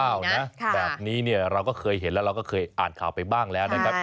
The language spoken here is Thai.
แบบนี้เนี่ยเราก็เคยเห็นแล้วเราก็เคยอ่านข่าวไปบ้างแล้วนะครับ